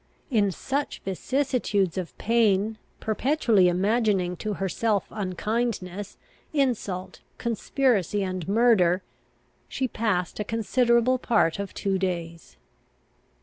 In such vicissitudes of pain, perpetually imagining to her self unkindness, insult, conspiracy, and murder, she passed a considerable part of two days.